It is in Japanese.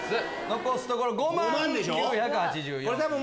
残すところ５万９８４いいね。